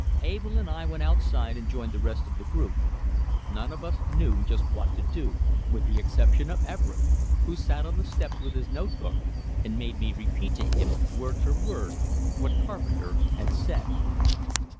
Abell and I went outside and joined the rest of the group. None of us knew just what to do with the exception of Everett, who sat on the steps with his notebook, and made me repeat to him word for word what Carpenter had said!